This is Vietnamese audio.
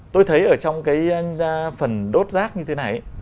tôi thấy ở trong cái phần đốt rác như thế này